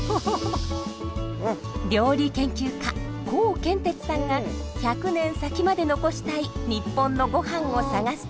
料理研究家コウケンテツさんが１００年先まで残したい日本のゴハンを探す旅。